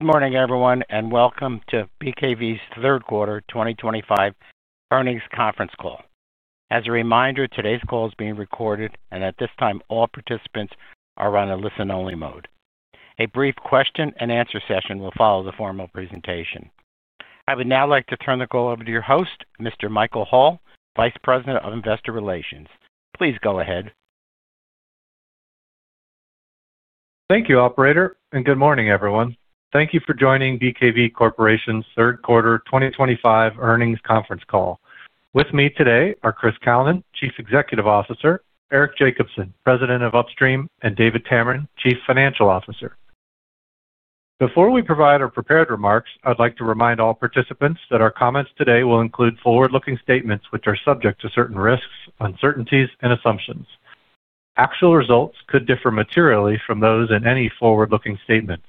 Good morning, everyone, and welcome to BKV's Third Quarter 2025 Earnings Conference Call. As a reminder, today's call is being recorded, and at this time, all participants are on a listen-only mode. A brief question-and-answer session will follow the formal presentation. I would now like to turn the call over to your host, Mr. Michael Hall, Vice President of Investor Relations. Please go ahead. Thank you, Operator, and good morning, everyone. Thank you for joining BKV Corporation's third quarter 2025 earnings conference call. With me today are Chris Kalnin, Chief Executive Officer; Eric Jacobsen, President of Upstream; and David Tameron, Chief Financial Officer. Before we provide our prepared remarks, I'd like to remind all participants that our comments today will include forward-looking statements which are subject to certain risks, uncertainties, and assumptions. Actual results could differ materially from those in any forward-looking statements.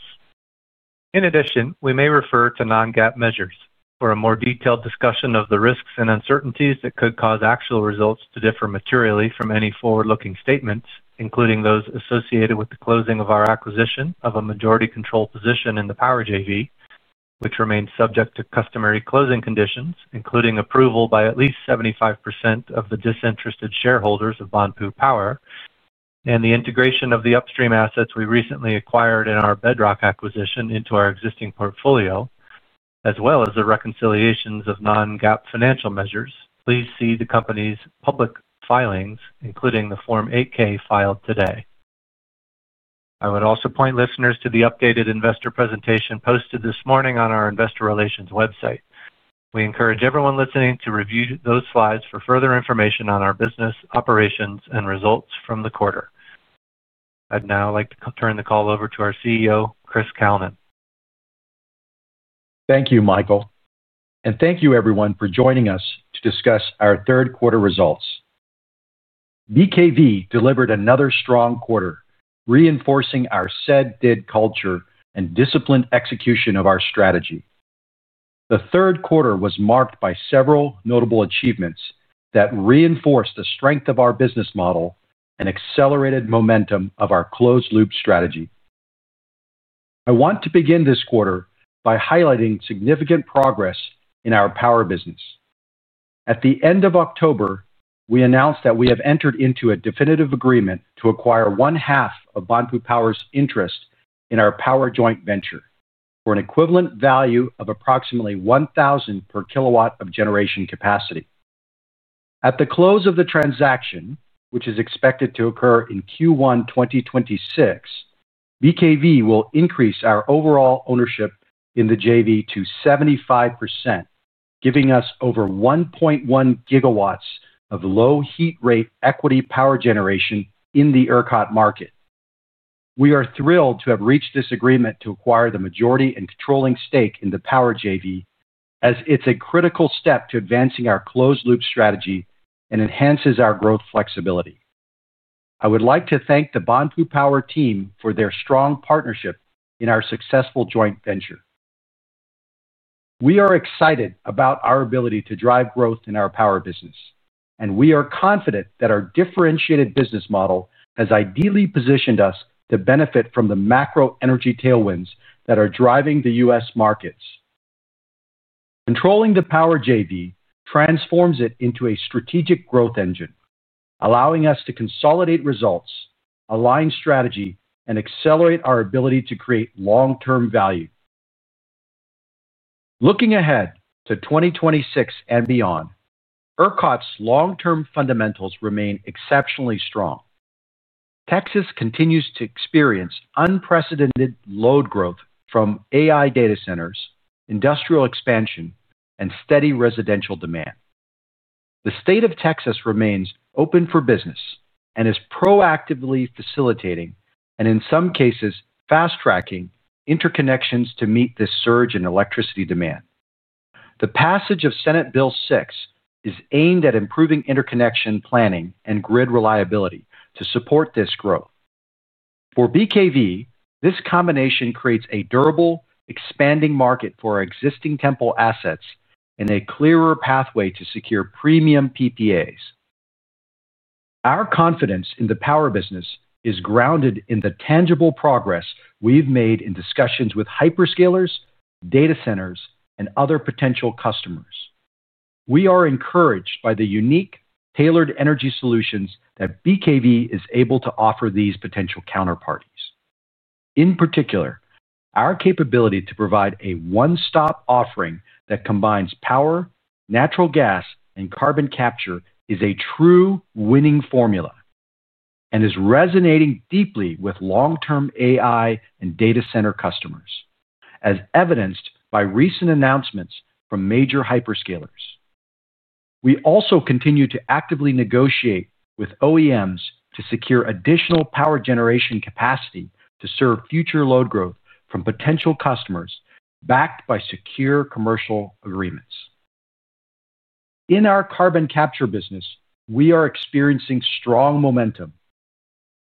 In addition, we may refer to non-GAAP measures. For a more detailed discussion of the risks and uncertainties that could cause actual results to differ materially from any forward-looking statements, including those associated with the closing of our acquisition of a majority-controlled position in the Power JV, which remains subject to customary closing conditions, including approval by at least 75% of the disinterested shareholders of Banpu Power, and the integration of the upstream assets we recently acquired in our Bedrock acquisition into our existing portfolio, as well as the reconciliations of non-GAAP financial measures. Please see the company's public filings, including the Form 8-K filed today. I would also point listeners to the updated investor presentation posted this morning on our Investor Relations website. We encourage everyone listening to review those slides for further information on our business, operations, and results from the quarter. I'd now like to turn the call over to our CEO, Chris Kalnin. Thank you, Michael, and thank you, everyone, for joining us to discuss our third quarter results. BKV delivered another strong quarter, reinforcing our said-did culture and disciplined execution of our strategy. The third quarter was marked by several notable achievements that reinforced the strength of our business model and accelerated momentum of our closed-loop strategy. I want to begin this quarter by highlighting significant progress in our power business. At the end of October, we announced that we have entered into a definitive agreement to acquire one-half of Banpu Power's interest in our power joint venture for an equivalent value of approximately $1,000 per kW of generation capacity. At the close of the transaction, which is expected to occur in Q1 2026, BKV will increase our overall ownership in the JV to 75%, giving us over 1.1 GW of low-heat rate equity power generation in the ERCOT market. We are thrilled to have reached this agreement to acquire the majority and controlling stake in the Power JV, as it's a critical step to advancing our closed-loop strategy and enhances our growth flexibility. I would like to thank the Banpu Power team for their strong partnership in our successful joint venture. We are excited about our ability to drive growth in our power business, and we are confident that our differentiated business model has ideally positioned us to benefit from the macro energy tailwinds that are driving the U.S. markets. Controlling the Power JV transforms it into a strategic growth engine, allowing us to consolidate results, align strategy, and accelerate our ability to create long-term value. Looking ahead to 2026 and beyond, ERCOT's long-term fundamentals remain exceptionally strong. Texas continues to experience unprecedented load growth from AI data centers, industrial expansion, and steady residential demand. The state of Texas remains open for business and is proactively facilitating, and in some cases, fast-tracking interconnections to meet this surge in electricity demand. The passage of Senate Bill 6 is aimed at improving interconnection planning and grid reliability to support this growth. For BKV, this combination creates a durable, expanding market for our existing Temple assets and a clearer pathway to secure premium PPAs. Our confidence in the power business is grounded in the tangible progress we've made in discussions with hyperscalers, data centers, and other potential customers. We are encouraged by the unique, tailored energy solutions that BKV is able to offer these potential counterparties. In particular, our capability to provide a one-stop offering that combines power, natural gas, and carbon capture is a true winning formula and is resonating deeply with long-term AI and data center customers, as evidenced by recent announcements from major hyperscalers. We also continue to actively negotiate with OEMs to secure additional power generation capacity to serve future load growth from potential customers backed by secure commercial agreements. In our carbon capture business, we are experiencing strong momentum.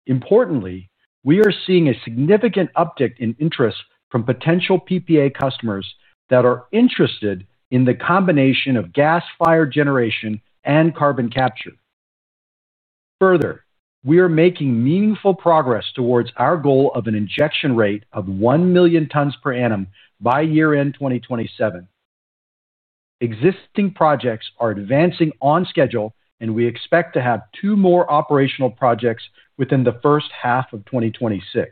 Importantly, we are seeing a significant uptick in interest from potential PPA customers that are interested in the combination of gas-fired generation and carbon capture. Further, we are making meaningful progress towards our goal of an injection rate of 1 million tons per annum by year-end 2027. Existing projects are advancing on schedule, and we expect to have two more operational projects within the first half of 2026.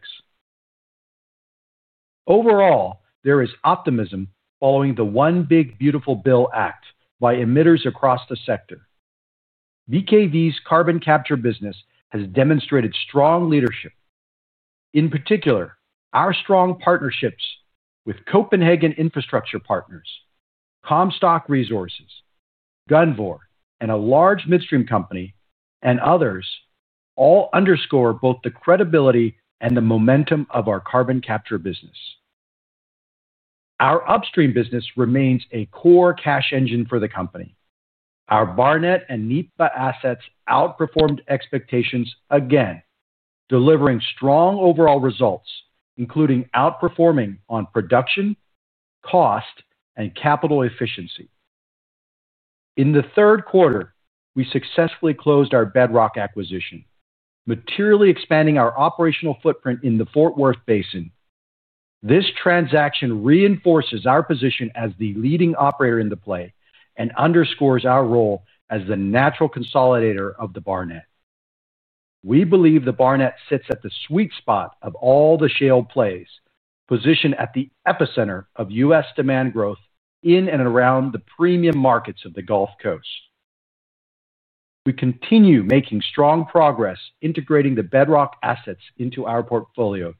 Overall, there is optimism following the One Big Beautiful Bill Act by emitters across the sector. BKV's carbon capture business has demonstrated strong leadership. In particular, our strong partnerships with Copenhagen Infrastructure Partners, Comstock Resources, Gunvor, and a large midstream company, and others, all underscore both the credibility and the momentum of our carbon capture business. Our upstream business remains a core cash engine for the company. Our Barnett and NEPA assets outperformed expectations again, delivering strong overall results, including outperforming on production, cost, and capital efficiency. In the third quarter, we successfully closed our Bedrock acquisition, materially expanding our operational footprint in the Fort Worth Basin. This transaction reinforces our position as the leading operator in the play and underscores our role as the natural consolidator of the Barnett. We believe the Barnett sits at the sweet spot of all the shale plays, positioned at the epicenter of U.S. demand growth in and around the premium markets of the Gulf Coast. We continue making strong progress integrating the Bedrock assets into our portfolio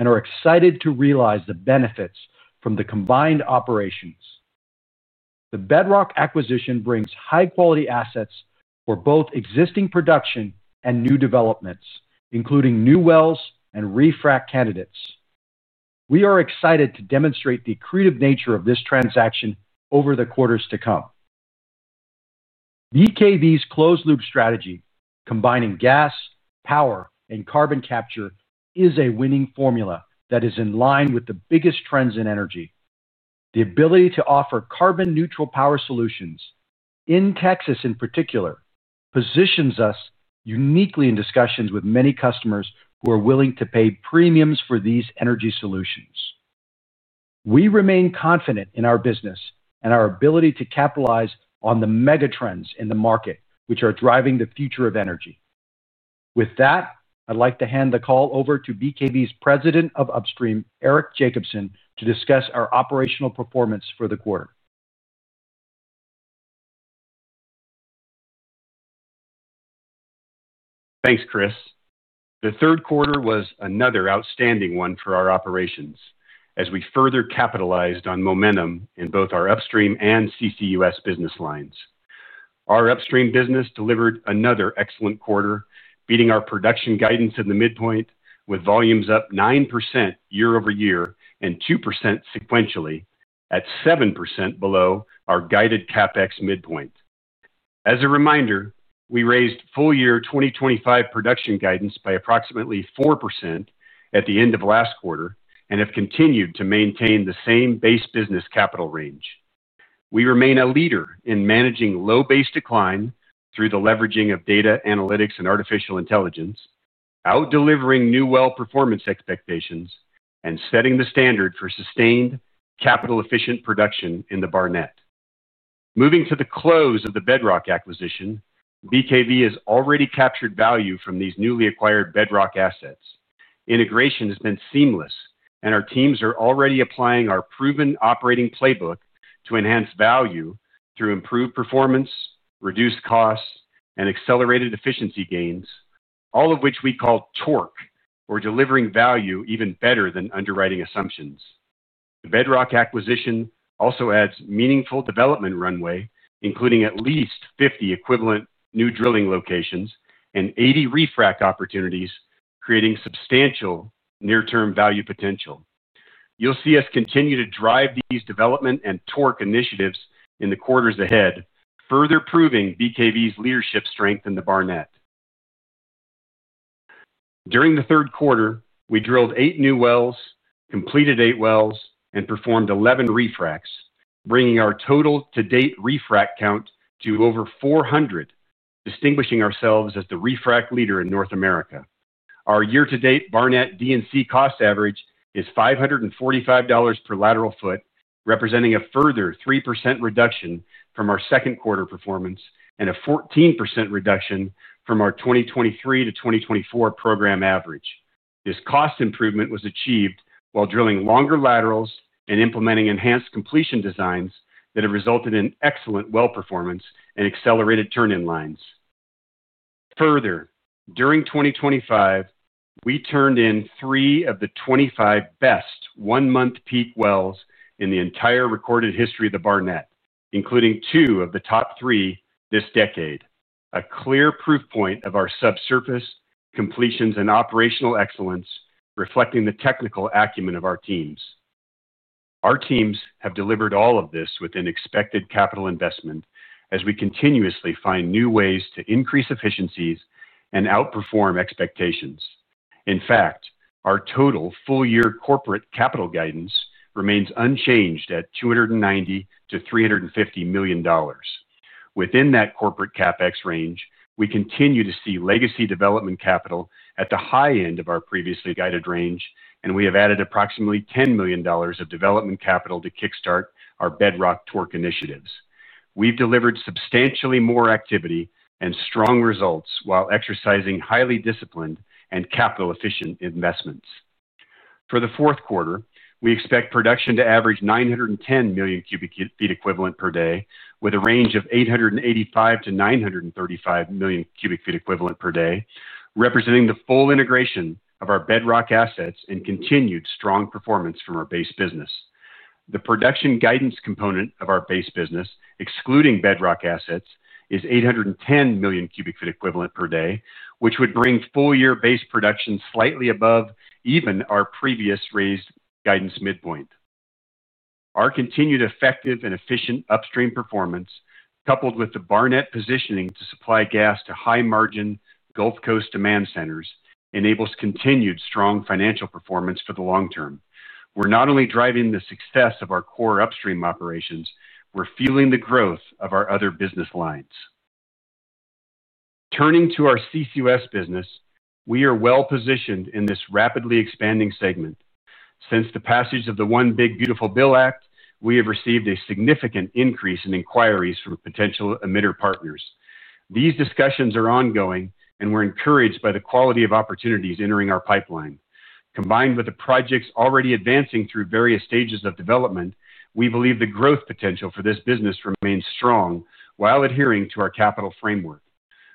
and are excited to realize the benefits from the combined operations. The Bedrock acquisition brings high-quality assets for both existing production and new developments, including new wells and refract candidates. We are excited to demonstrate the creative nature of this transaction over the quarters to come. BKV's closed-loop strategy, combining gas, power, and carbon capture, is a winning formula that is in line with the biggest trends in energy. The ability to offer carbon-neutral power solutions, in Texas in particular, positions us uniquely in discussions with many customers who are willing to pay premiums for these energy solutions. We remain confident in our business and our ability to capitalize on the mega trends in the market, which are driving the future of energy. With that, I'd like to hand the call over to BKV's President of Upstream, Eric Jacobson, to discuss our operational performance for the quarter. Thanks, Chris. The third quarter was another outstanding one for our operations, as we further capitalized on momentum in both our upstream and CCUS business lines. Our upstream business delivered another excellent quarter, beating our production guidance in the midpoint, with volumes up 9% year-over-year and 2% sequentially, at 7% below our guided CapEx midpoint. As a reminder, we raised full-year 2025 production guidance by approximately 4% at the end of last quarter and have continued to maintain the same base business capital range. We remain a leader in managing low-base decline through the leveraging of data, analytics, and artificial intelligence, outdelivering new well performance expectations, and setting the standard for sustained, capital-efficient production in the Barnett. Moving to the close of the Bedrock acquisition, BKV has already captured value from these newly acquired Bedrock assets. Integration has been seamless, and our teams are already applying our proven operating playbook to enhance value through improved performance, reduced costs, and accelerated efficiency gains, all of which we call torque, or delivering value even better than underwriting assumptions. The Bedrock acquisition also adds a meaningful development runway, including at least 50 equivalent new drilling locations and 80 refract opportunities, creating substantial near-term value potential. You'll see us continue to drive these development and torque initiatives in the quarters ahead, further proving BKV's leadership strength in the Barnett. During the third quarter, we drilled eight new wells, completed eight wells, and performed 11 refracts, bringing our total to-date refract count to over 400, distinguishing ourselves as the refract leader in North America. Our year-to-date Barnett D&C cost average is $545 per lateral foot, representing a further 3% reduction from our second quarter performance and a 14% reduction from our 2023 to 2024 program average. This cost improvement was achieved while drilling longer laterals and implementing enhanced completion designs that have resulted in excellent well performance and accelerated turn-in lines. Further, during 2025, we turned in three of the 25 best one-month peak wells in the entire recorded history of the Barnett, including two of the top three this decade, a clear proof point of our subsurface completions and operational excellence, reflecting the technical acumen of our teams. Our teams have delivered all of this within expected capital investment, as we continuously find new ways to increase efficiencies and outperform expectations. In fact, our total full-year corporate capital guidance remains unchanged at $290-$350 million. Within that corporate CapEx range, we continue to see legacy development capital at the high end of our previously guided range, and we have added approximately $10 million of development capital to kickstart our Bedrock torque initiatives. We've delivered substantially more activity and strong results while exercising highly disciplined and capital-efficient investments. For the fourth quarter, we expect production to average 910 million cubic feet equivalent per day, with a range of 885-935 million cubic feet equivalent per day, representing the full integration of our Bedrock assets and continued strong performance from our base business. The production guidance component of our base business, excluding Bedrock assets, is 810 million cubic feet equivalent per day, which would bring full-year base production slightly above even our previous raised guidance midpoint. Our continued effective and efficient upstream performance, coupled with the Barnett positioning to supply gas to high-margin Gulf Coast demand centers, enables continued strong financial performance for the long term. We're not only driving the success of our core upstream operations; we're fueling the growth of our other business lines. Turning to our CCUS business, we are well-positioned in this rapidly expanding segment. Since the passage of the One Big Beautiful Bill Act, we have received a significant increase in inquiries from potential emitter partners. These discussions are ongoing, and we're encouraged by the quality of opportunities entering our pipeline. Combined with the projects already advancing through various stages of development, we believe the growth potential for this business remains strong while adhering to our capital framework.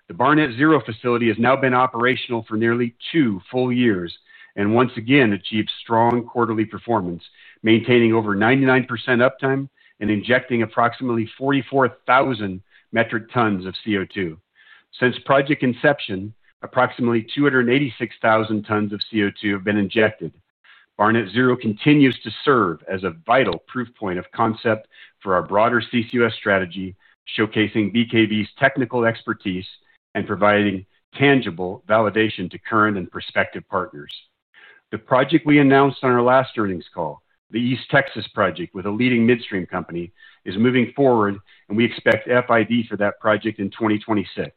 The Barnett Zero facility has now been operational for nearly two full years and once again achieved strong quarterly performance, maintaining over 99% uptime and injecting approximately 44,000 metric tons of CO2. Since project inception, approximately 286,000 tons of CO2 have been injected. Barnett Zero continues to serve as a vital proof point of concept for our broader CCUS strategy, showcasing BKV's technical expertise and providing tangible validation to current and prospective partners. The project we announced on our last earnings call, the East Texas project with a leading midstream company, is moving forward, and we expect FID for that project in 2026.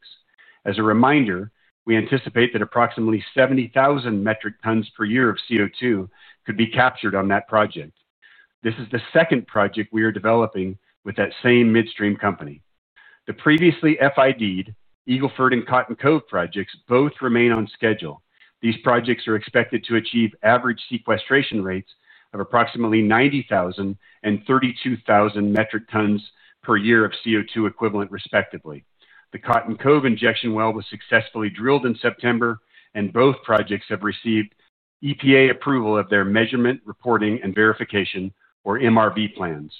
As a reminder, we anticipate that approximately 70,000 metric tons per year of CO2 could be captured on that project. This is the second project we are developing with that same midstream company. The previously FIDed Eagle Ford and Cotton Cove projects both remain on schedule. These projects are expected to achieve average sequestration rates of approximately 90,000 and 32,000 metric tons per year of CO2 equivalent, respectively. The Cotton Cove injection well was successfully drilled in September, and both projects have received EPA approval of their measurement, reporting, and verification, or MRV, plans.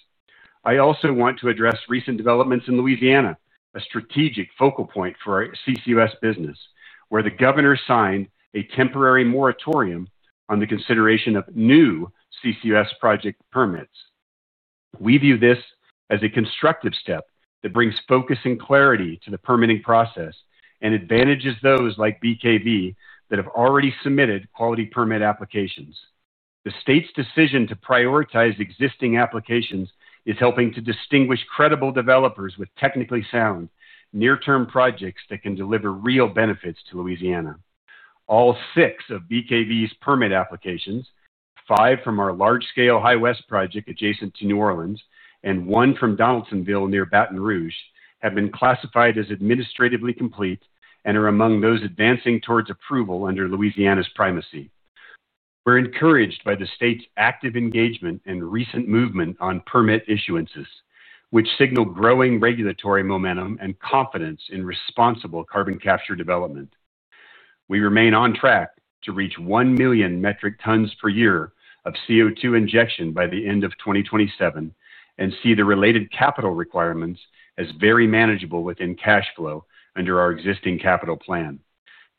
I also want to address recent developments in Louisiana, a strategic focal point for our CCUS business, where the governor signed a temporary moratorium on the consideration of new CCUS project permits. We view this as a constructive step that brings focus and clarity to the permitting process and advantages those like BKV that have already submitted quality permit applications. The state's decision to prioritize existing applications is helping to distinguish credible developers with technically sound, near-term projects that can deliver real benefits to Louisiana. All six of BKV's permit applications, five from our large-scale High West project adjacent to New Orleans and one from Donaldsonville near Baton Rouge, have been classified as administratively complete and are among those advancing towards approval under Louisiana's primacy. We're encouraged by the state's active engagement and recent movement on permit issuances, which signal growing regulatory momentum and confidence in responsible carbon capture development. We remain on track to reach 1 million metric tons per year of CO2 injection by the end of 2027 and see the related capital requirements as very manageable within cash flow under our existing capital plan.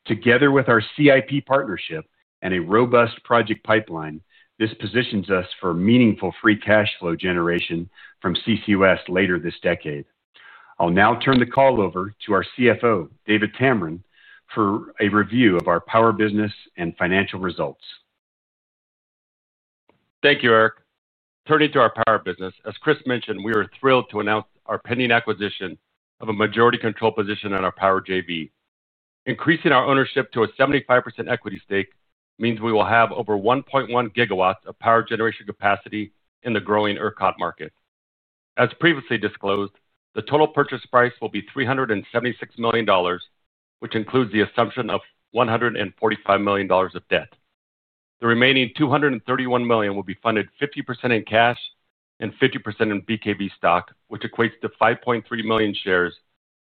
Together with our CIP partnership and a robust project pipeline, this positions us for meaningful free cash flow generation from CCUS later this decade. I'll now turn the call over to our CFO, David Tamron, for a review of our power business and financial results. Thank you, Eric. Turning to our power business, as Chris mentioned, we are thrilled to announce our pending acquisition of a majority control position on our Power JV. Increasing our ownership to a 75% equity stake means we will have over 1.1GW of power generation capacity in the growing ERCOT market. As previously disclosed, the total purchase price will be $376 million, which includes the assumption of $145 million of debt. The remaining $231 million will be funded 50% in cash and 50% in BKV stock, which equates to 5.3 million shares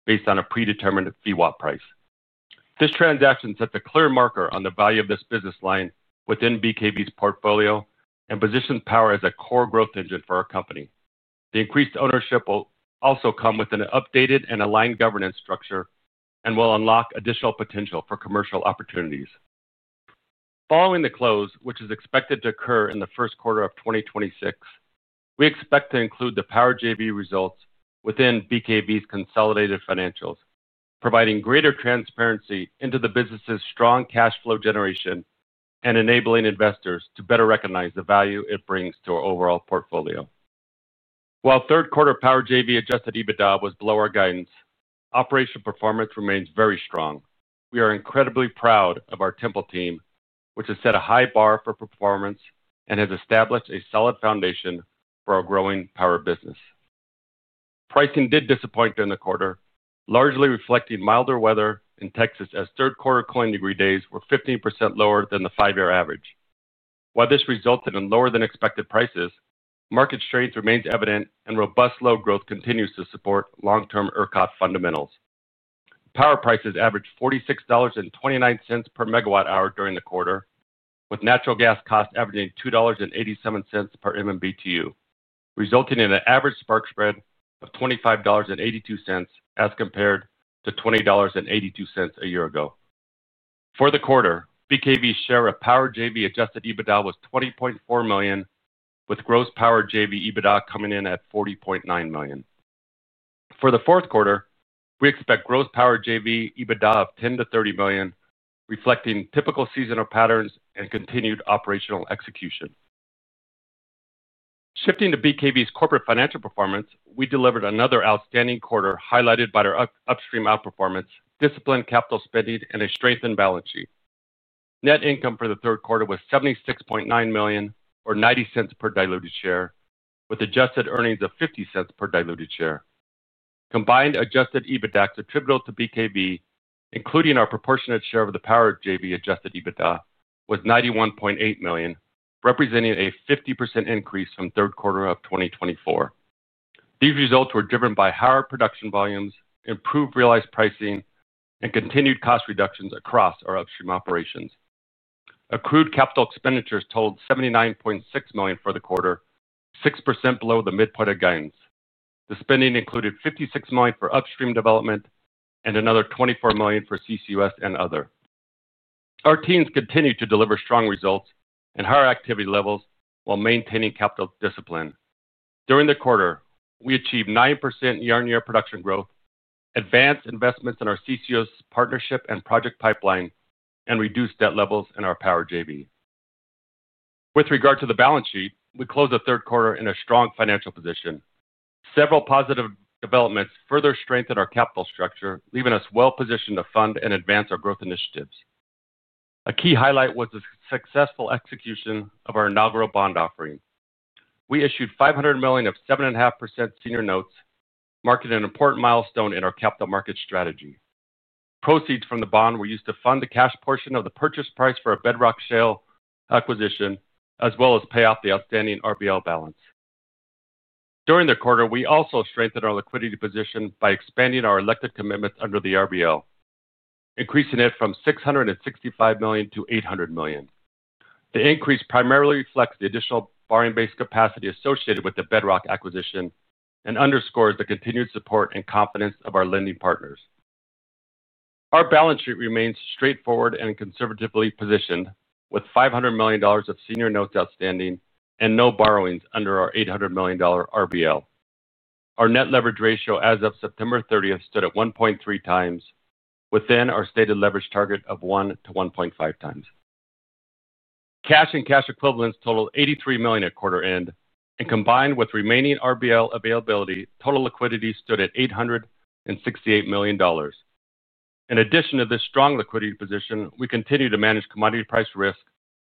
based on a predetermined fee-watt price. This transaction sets a clear marker on the value of this business line within BKV's portfolio and positions power as a core growth engine for our company. The increased ownership will also come with an updated and aligned governance structure and will unlock additional potential for commercial opportunities. Following the close, which is expected to occur in the first quarter of 2026, we expect to include the Power JV results within BKV's consolidated financials, providing greater transparency into the business's strong cash flow generation and enabling investors to better recognize the value it brings to our overall portfolio. While third quarter Power JV adjusted EBITDA was below our guidance, operational performance remains very strong. We are incredibly proud of our Temple team, which has set a high bar for performance and has established a solid foundation for our growing power business. Pricing did disappoint during the quarter, largely reflecting milder weather in Texas as third quarter cooling degree days were 15% lower than the five-year average. While this resulted in lower-than-expected prices, market strains remained evident, and robust load growth continues to support long-term ERCOT fundamentals. Power prices averaged $46.29 per megawatt hour during the quarter, with natural gas costs averaging $2.87 per MMBTU, resulting in an average spark spread of $25.82 as compared to $20.82 a year ago. For the quarter, BKV's share of Power JV adjusted EBITDA was $20.4 million, with gross Power JV EBITDA coming in at $40.9 million. For the fourth quarter, we expect gross Power JV EBITDA of $10-$30 million, reflecting typical seasonal patterns and continued operational execution. Shifting to BKV's corporate financial performance, we delivered another outstanding quarter highlighted by our upstream outperformance, disciplined capital spending, and a strengthened balance sheet. Net income for the third quarter was $76.9 million, or $0.90 per diluted share, with adjusted earnings of $0.50 per diluted share. Combined adjusted EBITDA contributable to BKV, including our proportionate share of the Power JV adjusted EBITDA, was $91.8 million, representing a 50% increase from third quarter of 2024. These results were driven by higher production volumes, improved realized pricing, and continued cost reductions across our upstream operations. Accrued capital expenditures totaled $79.6 million for the quarter, 6% below the midpoint of guidance. The spending included $56 million for upstream development and another $24 million for CCUS and other. Our teams continue to deliver strong results and higher activity levels while maintaining capital discipline. During the quarter, we achieved 9% year-on-year production growth, advanced investments in our CCUS partnership and project pipeline, and reduced debt levels in our Power JV. With regard to the balance sheet, we closed the third quarter in a strong financial position. Several positive developments further strengthened our capital structure, leaving us well-positioned to fund and advance our growth initiatives. A key highlight was the successful execution of our inaugural bond offering. We issued $500 million of 7.5% senior notes, marking an important milestone in our capital market strategy. Proceeds from the bond were used to fund the cash portion of the purchase price for a Bedrock Shale acquisition, as well as pay off the outstanding RBL balance. During the quarter, we also strengthened our liquidity position by expanding our elective commitments under the RBL, increasing it from $665 million-$800 million. The increase primarily reflects the additional borrowing-based capacity associated with the Bedrock acquisition and underscores the continued support and confidence of our lending partners. Our balance sheet remains straightforward and conservatively positioned, with $500 million of senior notes outstanding and no borrowings under our $800 million RBL. Our net leverage ratio as of September 30th stood at 1.3 times, within our stated leverage target of 1-1.5 times. Cash and cash equivalents totaled $83 million at quarter end, and combined with remaining RBL availability, total liquidity stood at $868 million. In addition to this strong liquidity position, we continue to manage commodity price risk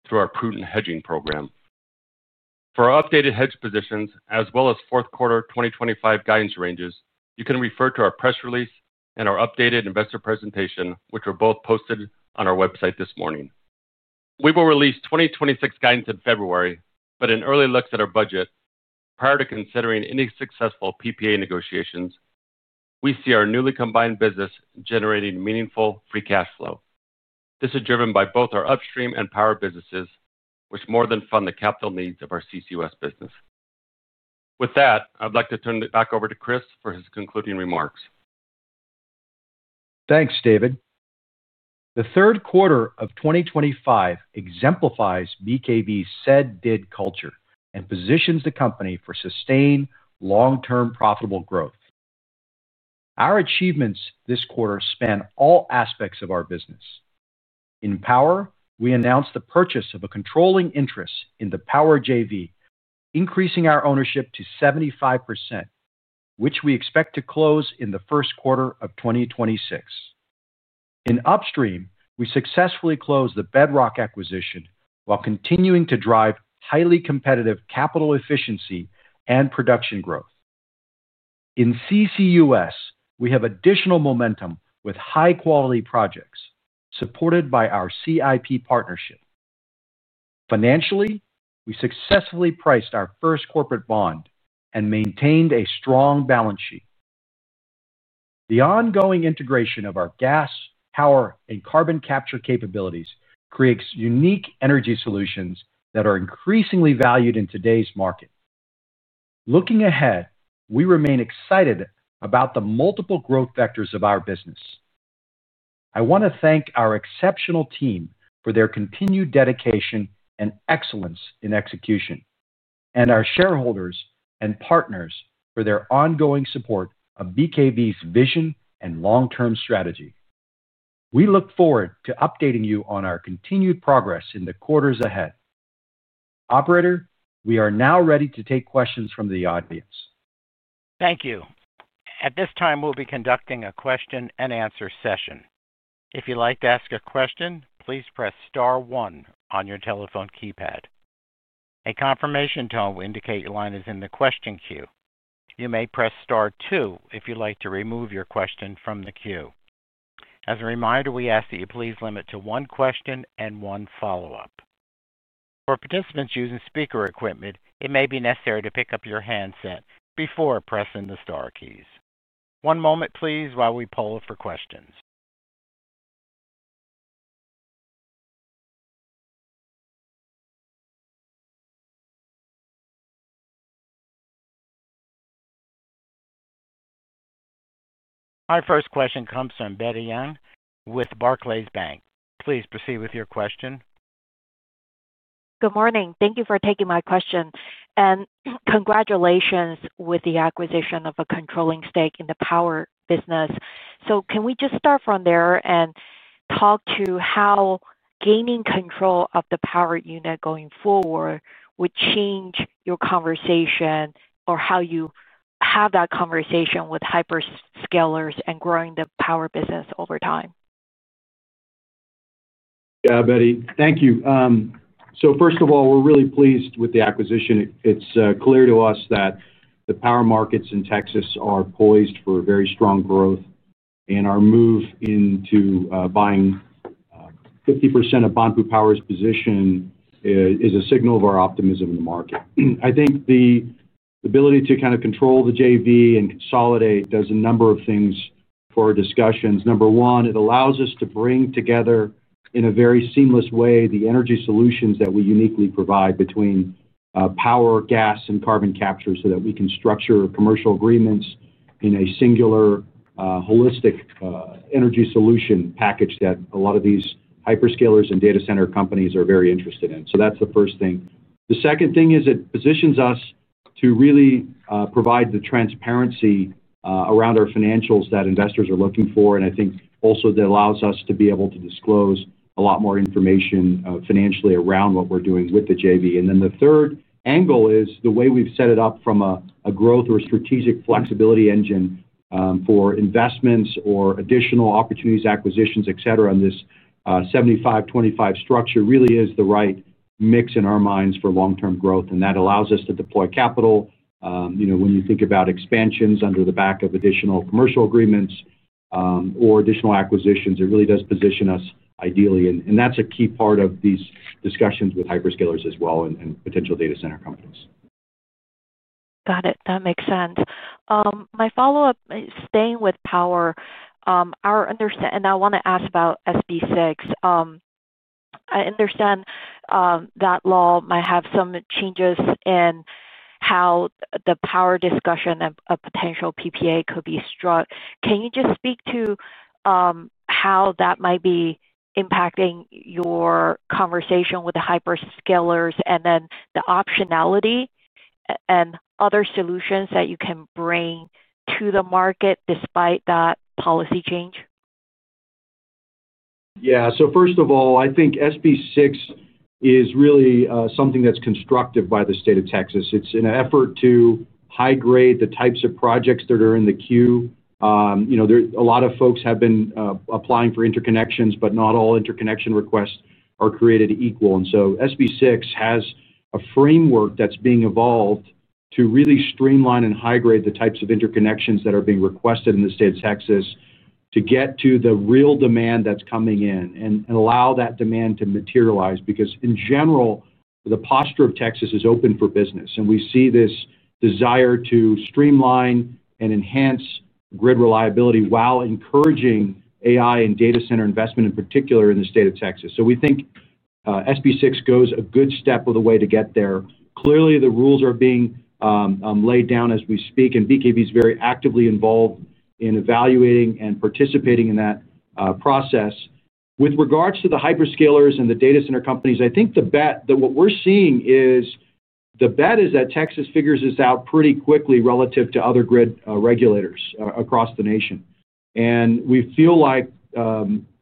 through our prudent hedging program. For our updated hedge positions, as well as fourth quarter 2025 guidance ranges, you can refer to our press release and our updated investor presentation, which were both posted on our website this morning. We will release 2026 guidance in February, but an early look at our budget, prior to considering any successful PPA negotiations, we see our newly combined business generating meaningful free cash flow. This is driven by both our upstream and power businesses, which more than fund the capital needs of our CCUS business. With that, I'd like to turn it back over to Chris for his concluding remarks. Thanks, David. The third quarter of 2025 exemplifies BKV's said-did culture and positions the company for sustained long-term profitable growth. Our achievements this quarter span all aspects of our business. In power, we announced the purchase of a controlling interest in the Power JV, increasing our ownership to 75%, which we expect to close in the first quarter of 2026. In upstream, we successfully closed the Bedrock acquisition while continuing to drive highly competitive capital efficiency and production growth. In CCUS, we have additional momentum with high-quality projects supported by our CIP partnership. Financially, we successfully priced our first corporate bond and maintained a strong balance sheet. The ongoing integration of our gas, power, and carbon capture capabilities creates unique energy solutions that are increasingly valued in today's market. Looking ahead, we remain excited about the multiple growth vectors of our business. I want to thank our exceptional team for their continued dedication and excellence in execution, and our shareholders and partners for their ongoing support of BKV's vision and long-term strategy. We look forward to updating you on our continued progress in the quarters ahead. Operator, we are now ready to take questions from the audience. Thank you. At this time, we'll be conducting a question-and-answer session. If you'd like to ask a question, please press Star 1 on your telephone keypad. A confirmation tone will indicate your line is in the question queue. You may press Star 2 if you'd like to remove your question from the queue. As a reminder, we ask that you please limit to one question and one follow-up. For participants using speaker equipment, it may be necessary to pick up your handset before pressing the Star keys. One moment, please, while we poll for questions. Our first question comes from Betty Jiang with Barclays. Please proceed with your question. Good morning. Thank you for taking my question. Congratulations with the acquisition of a controlling stake in the power business. Can we just start from there and talk to how gaining control of the power unit going forward would change your conversation or how you have that conversation with hyperscalers and growing the power business over time? Yeah, Betty, thank you. First of all, we're really pleased with the acquisition. It's clear to us that the power markets in Texas are poised for very strong growth, and our move into buying 50% of Banpu Power's position is a signal of our optimism in the market. I think the ability to kind of control the JV and consolidate does a number of things for our discussions. Number one, it allows us to bring together in a very seamless way the energy solutions that we uniquely provide between power, gas, and carbon capture so that we can structure commercial agreements in a singular, holistic energy solution package that a lot of these hyperscalers and data center companies are very interested in. That's the first thing. The second thing is it positions us to really provide the transparency around our financials that investors are looking for, and I think also that allows us to be able to disclose a lot more information financially around what we're doing with the JV. The third angle is the way we've set it up from a growth or a strategic flexibility engine for investments or additional opportunities, acquisitions, et cetera, on this 75-25 structure really is the right mix in our minds for long-term growth, and that allows us to deploy capital. When you think about expansions under the back of additional commercial agreements or additional acquisitions, it really does position us ideally, and that's a key part of these discussions with hyperscalers as well and potential data center companies. Got it. That makes sense. My follow-up is staying with power. I want to ask about SB6. I understand that law might have some changes in how the power discussion of a potential PPA could be struck. Can you just speak to how that might be impacting your conversation with the hyperscalers and then the optionality and other solutions that you can bring to the market despite that policy change? Yeah. First of all, I think SB6 is really something that's constructed by the state of Texas. It's an effort to high-grade the types of projects that are in the queue. A lot of folks have been applying for interconnections, but not all interconnection requests are created equal. SB6 has a framework that's being evolved to really streamline and high-grade the types of interconnections that are being requested in the state of Texas to get to the real demand that's coming in and allow that demand to materialize because, in general, the posture of Texas is open for business, and we see this desire to streamline and enhance grid reliability while encouraging AI and data center investment in particular in the state of Texas. We think SB6 goes a good step of the way to get there. Clearly, the rules are being laid down as we speak, and BKV is very actively involved in evaluating and participating in that process. With regards to the hyperscalers and the data center companies, I think the bet that what we're seeing is the bet is that Texas figures this out pretty quickly relative to other grid regulators across the nation. We feel like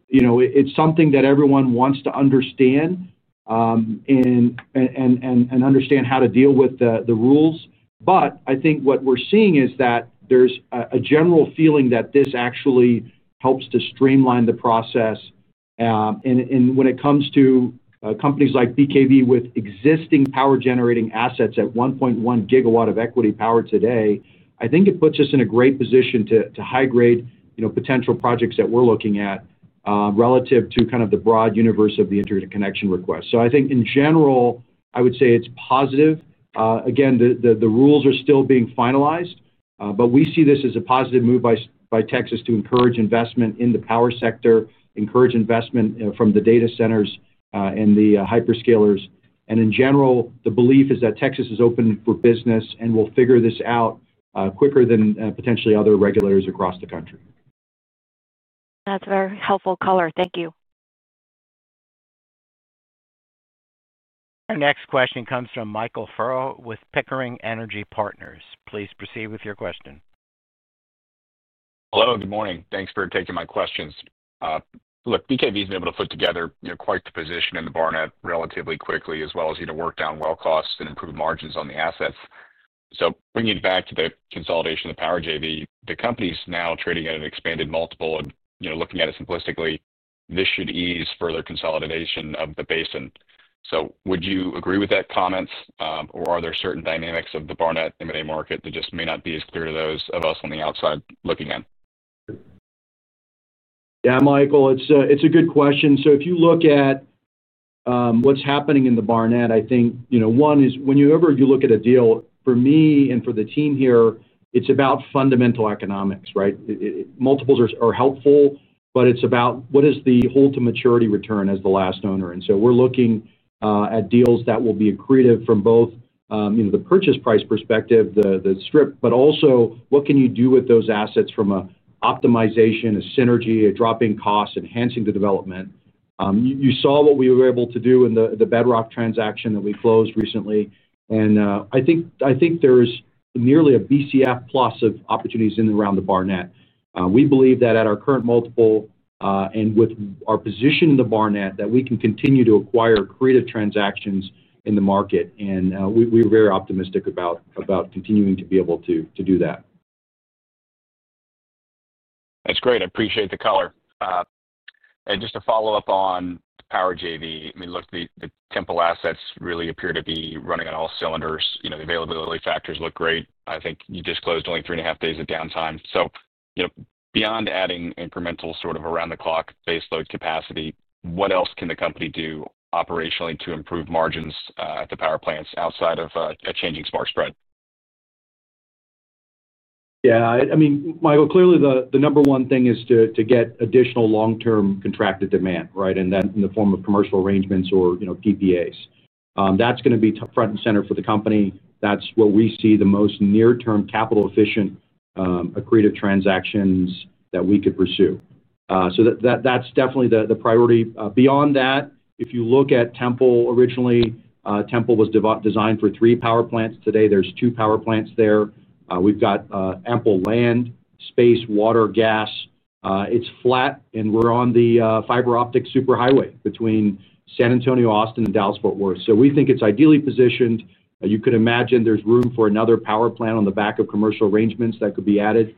it's something that everyone wants to understand and understand how to deal with the rules. I think what we're seeing is that there's a general feeling that this actually helps to streamline the process. When it comes to companies like BKV with existing power-generating assets at 1.1 gigawatt of equity power today, I think it puts us in a great position to high-grade potential projects that we're looking at relative to kind of the broad universe of the interconnection request. I think, in general, I would say it's positive. Again, the rules are still being finalized, but we see this as a positive move by Texas to encourage investment in the power sector, encourage investment from the data centers and the hyperscalers. In general, the belief is that Texas is open for business and will figure this out quicker than potentially other regulators across the country. That's a very helpful color. Thank you. Our next question comes from Michael Furrow with Pickering Energy Partners. Please proceed with your question. Hello. Good morning. Thanks for taking my questions. Look, BKV has been able to put together quite the position in the Barnett relatively quickly, as well as work down well costs and improve margins on the assets. Bringing it back to the consolidation of the power JV, the company's now trading at an expanded multiple. Looking at it simplistically, this should ease further consolidation of the basin. Would you agree with that comment, or are there certain dynamics of the Barnett M&A market that just may not be as clear to those of us on the outside looking in? Yeah, Michael, it's a good question. If you look at what's happening in the Barnett, I think one is whenever you look at a deal, for me and for the team here, it's about fundamental economics, right? Multiples are helpful, but it's about what is the hold-to-maturity return as the last owner. We're looking at deals that will be accretive from both the purchase price perspective, the strip, but also what can you do with those assets from an optimization, a synergy, a drop in cost, enhancing the development. You saw what we were able to do in the Bedrock transaction that we closed recently, and I think there's nearly a BCF plus of opportunities in and around the Barnett. We believe that at our current multiple and with our position in the Barnett, that we can continue to acquire accretive transactions in the market, and we're very optimistic about continuing to be able to do that. That's great. I appreciate the color. And just to follow up on the power JV, I mean, look, the Temple assets really appear to be running on all cylinders. The availability factors look great. I think you disclosed only three and a half days of downtime. So beyond adding incremental sort of around-the-clock baseload capacity, what else can the company do operationally to improve margins at the power plants outside of a changing spark spread? Yeah. I mean, Michael, clearly, the number one thing is to get additional long-term contracted demand, right, in the form of commercial arrangements or PPAs. That's going to be front and center for the company. That's where we see the most near-term capital-efficient accretive transactions that we could pursue. That's definitely the priority. Beyond that, if you look at Temple originally, Temple was designed for three power plants. Today, there are two power plants there. We've got ample land, space, water, gas. It's flat, and we're on the fiber optic superhighway between San Antonio, Austin, and Dallas-Fort Worth. We think it's ideally positioned. You could imagine there's room for another power plant on the back of commercial arrangements that could be added,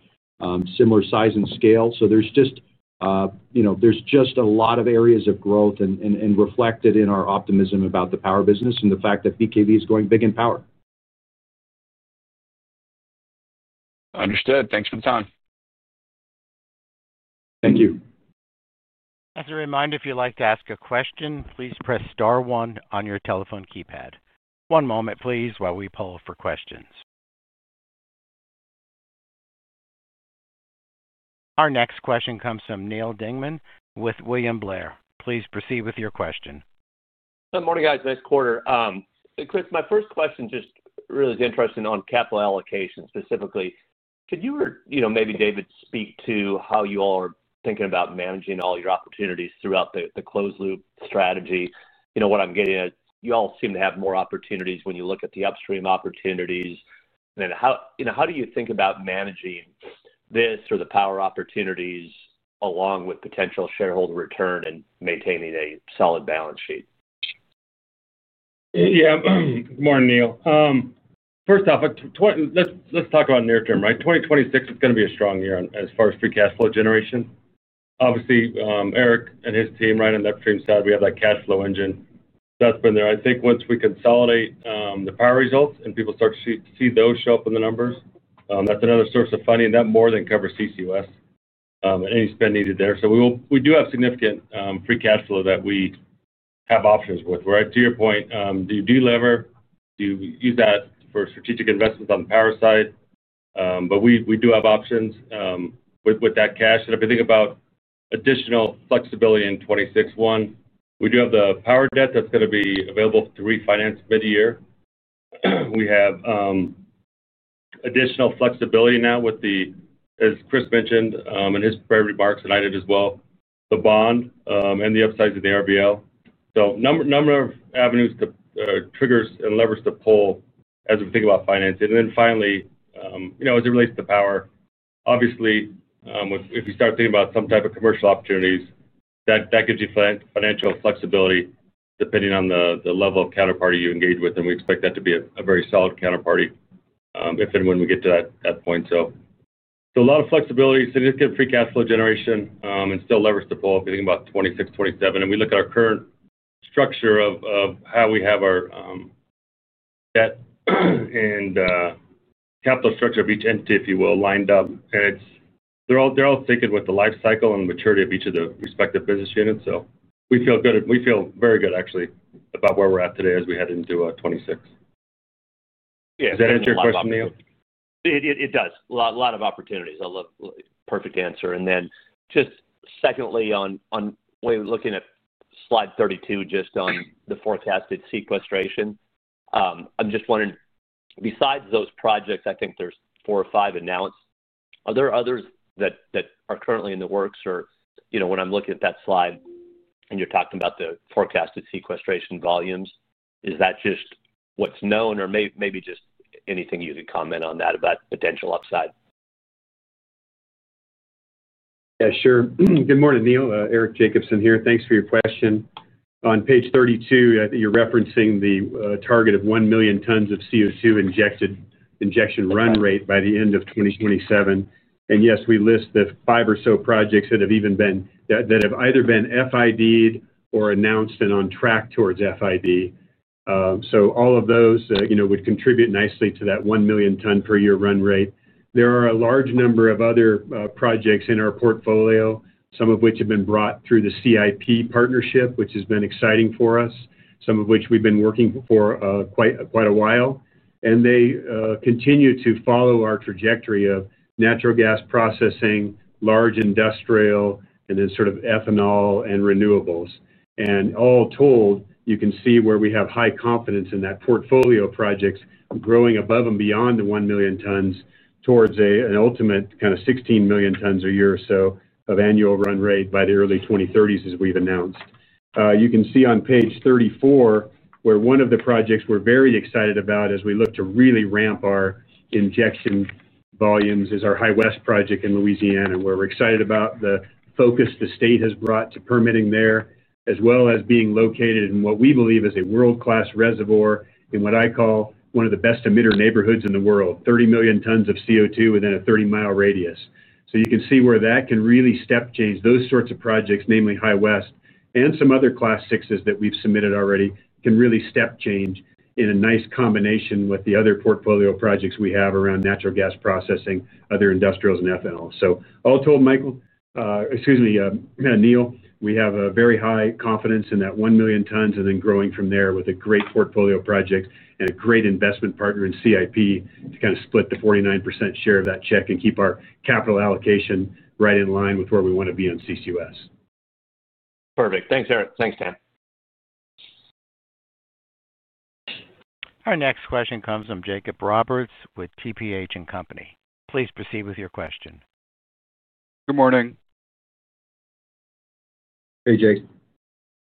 similar size and scale. There is just a lot of areas of growth and reflected in our optimism about the power business and the fact that BKV is going big in power. Understood. Thanks for the time. Thank you. As a reminder, if you'd like to ask a question, please press Star 1 on your telephone keypad. One moment, please, while we poll for questions. Our next question comes from Neal Dingmann with William Blair. Please proceed with your question. Good morning, guys. Nice quarter. Chris, my first question just really is interesting on capital allocation specifically. Could you or maybe David speak to how you all are thinking about managing all your opportunities throughout the closed-loop strategy? What I'm getting at, you all seem to have more opportunities when you look at the upstream opportunities. And how do you think about managing this or the power opportunities along with potential shareholder return and maintaining a solid balance sheet? Yeah. Good morning, Neal. First off, let's talk about near-term, right? 2026 is going to be a strong year as far as free cash flow generation. Obviously, Eric and his team, right, on the upstream side, we have that cash flow engine that's been there. I think once we consolidate the power results and people start to see those show up in the numbers, that's another source of funding. That more than covers CCUS and any spend needed there. We do have significant free cash flow that we have options with, right? To your point, do you delever? Do you use that for strategic investments on the power side? We do have options with that cash. If you think about additional flexibility in 2026, we do have the power debt that's going to be available to refinance mid-year. We have additional flexibility now with the, as Chris mentioned in his prepared remarks and I did as well, the bond and the upsize of the RBL. A number of avenues to triggers and levers to pull as we think about financing. Finally, as it relates to power, obviously, if you start thinking about some type of commercial opportunities, that gives you financial flexibility depending on the level of counterparty you engage with. We expect that to be a very solid counterparty if and when we get to that point. A lot of flexibility, significant free cash flow generation, and still levers to pull if you think about 2026-2027. We look at our current structure of how we have our debt and capital structure of each entity, if you will, lined up. They're all thickened with the life cycle and maturity of each of the respective business units. We feel good. We feel very good, actually, about where we're at today as we head into 2026. Does that answer your question, Neal? It does. A lot of opportunities. I love the perfect answer. Just secondly, on looking at slide 32, just on the forecasted sequestration, I'm just wondering, besides those projects, I think there's four or five announced. Are there others that are currently in the works? When I'm looking at that slide and you're talking about the forecasted sequestration volumes, is that just what's known or maybe just anything you could comment on that about potential upside? Yeah, sure. Good morning, Neal. Eric Jacobson here. Thanks for your question. On page 32, you're referencing the target of 1 million tons of CO2 injection run rate by the end of 2027. Yes, we list the five or so projects that have either been FIDed or announced and on track towards FID. All of those would contribute nicely to that 1 million ton per year run rate. There are a large number of other projects in our portfolio, some of which have been brought through the CIP partnership, which has been exciting for us, some of which we've been working for quite a while. They continue to follow our trajectory of natural gas processing, large industrial, and then sort of ethanol and renewables. All told, you can see where we have high confidence in that portfolio of projects growing above and beyond the 1 million tons towards an ultimate kind of 16 million tons a year or so of annual run rate by the early 2030s, as we have announced. You can see on page 34 where one of the projects we are very excited about as we look to really ramp our injection volumes is our High West project in Louisiana, where we are excited about the focus the state has brought to permitting there, as well as being located in what we believe is a world-class reservoir in what I call one of the best emitter neighborhoods in the world, 30 million tons of CO2 within a 30 mi radius. You can see where that can really step change. Those sorts of projects, namely High West and some other class sixes that we've submitted already, can really step change in a nice combination with the other portfolio projects we have around natural gas processing, other industrials, and ethanol. All told, Michael—excuse me, Neil—we have very high confidence in that 1 million tons and then growing from there with a great portfolio project and a great investment partner in CIP to kind of split the 49% share of that check and keep our capital allocation right in line with where we want to be on CCUS. Perfect. Thanks, Eric. Thanks, Dan. Our next question comes from Jacob Roberts with TPH & Company. Please proceed with your question. Good morning. Hey, Jake.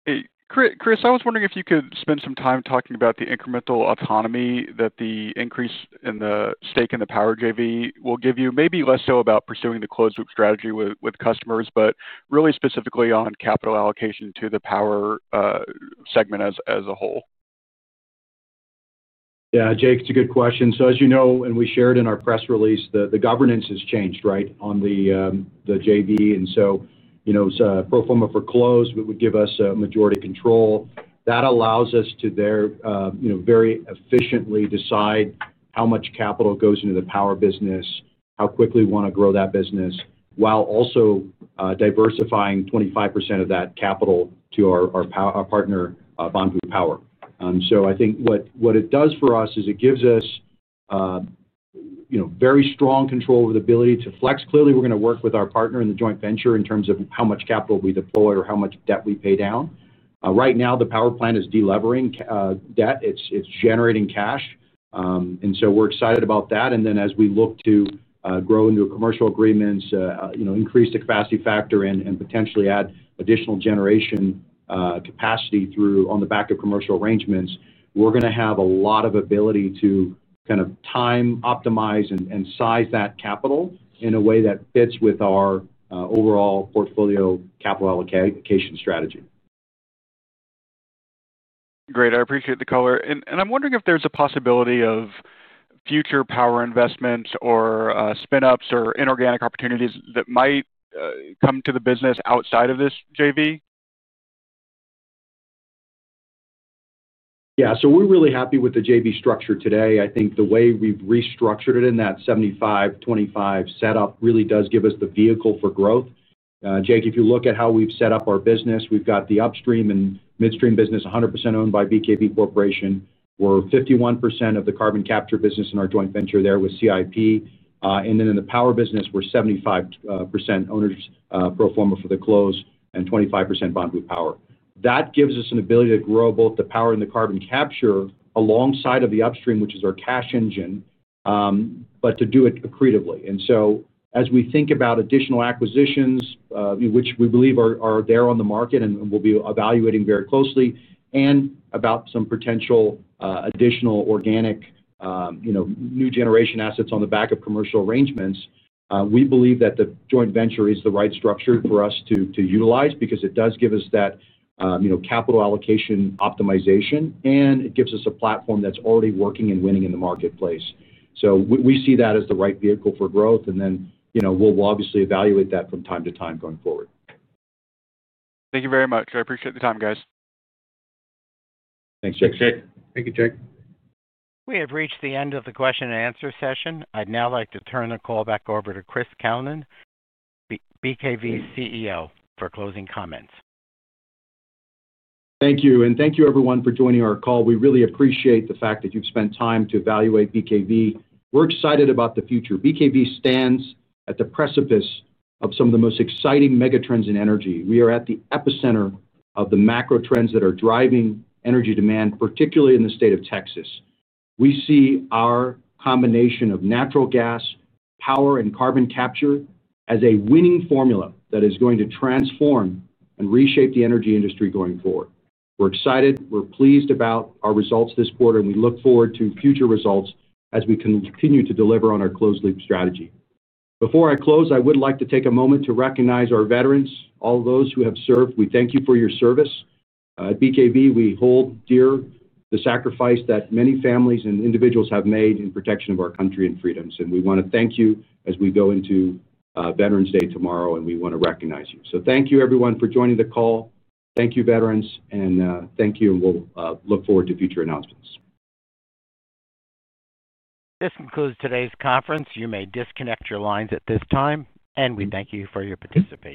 Hey, Chris. I was wondering if you could spend some time talking about the incremental autonomy that the increase in the stake in the power JV will give you, maybe less so about pursuing the closed-loop strategy with customers, but really specifically on capital allocation to the power segment as a whole. Yeah, Jake, it's a good question. As you know, and we shared in our press release, the governance has changed, right, on the JV. Pro forma for close would give us majority control. That allows us to very efficiently decide how much capital goes into the power business, how quickly we want to grow that business, while also diversifying 25% of that capital to our partner, Banpu Power. I think what it does for us is it gives us very strong control with the ability to flex. Clearly, we're going to work with our partner in the joint venture in terms of how much capital we deploy or how much debt we pay down. Right now, the power plant is delevering debt. It's generating cash. We're excited about that. As we look to grow into commercial agreements, increase the capacity factor, and potentially add additional generation capacity on the back of commercial arrangements, we're going to have a lot of ability to kind of time, optimize, and size that capital in a way that fits with our overall portfolio capital allocation strategy. Great. I appreciate the color. I'm wondering if there's a possibility of future power investments or spin-ups or inorganic opportunities that might come to the business outside of this JV. Yeah. So we're really happy with the JV structure today. I think the way we've restructured it in that 75-25 setup really does give us the vehicle for growth. Jake, if you look at how we've set up our business, we've got the upstream and midstream business 100% owned by BKV Corporation. We're 51% of the carbon capture business in our joint venture there with CIP. And then in the power business, we're 75% owners pro forma for the close and 25% Banpu Power. That gives us an ability to grow both the power and the carbon capture alongside of the upstream, which is our cash engine, but to do it accretively. As we think about additional acquisitions, which we believe are there on the market and will be evaluating very closely, and about some potential additional organic new generation assets on the back of commercial arrangements, we believe that the joint venture is the right structure for us to utilize because it does give us that capital allocation optimization, and it gives us a platform that is already working and winning in the marketplace. We see that as the right vehicle for growth. We will obviously evaluate that from time to time going forward. Thank you very much. I appreciate the time, guys. Thanks, Jake. Thanks, Jake. Thank you, Jake. We have reached the end of the question-and-answer session. I'd now like to turn the call back over to Chris Kalnin, BKV CEO, for closing comments. Thank you. Thank you, everyone, for joining our call. We really appreciate the fact that you've spent time to evaluate BKV. We're excited about the future. BKV stands at the precipice of some of the most exciting megatrends in energy. We are at the epicenter of the macro trends that are driving energy demand, particularly in the state of Texas. We see our combination of natural gas, power, and carbon capture as a winning formula that is going to transform and reshape the energy industry going forward. We're excited. We're pleased about our results this quarter, and we look forward to future results as we continue to deliver on our closed-loop strategy. Before I close, I would like to take a moment to recognize our veterans, all those who have served. We thank you for your service. At BKV, we hold dear the sacrifice that many families and individuals have made in protection of our country and freedoms. We want to thank you as we go into Veterans Day tomorrow, and we want to recognize you. Thank you, everyone, for joining the call. Thank you, veterans. Thank you, and we will look forward to future announcements. This concludes today's conference. You may disconnect your lines at this time, and we thank you for your participation.